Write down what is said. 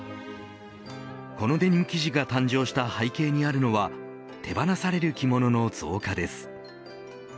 このデニム生地が誕生した背景にあるのは手放される着物の増加です。